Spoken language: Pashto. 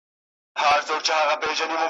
خدای خبر چي به مستیږي زما غزل پر شهبازونو ,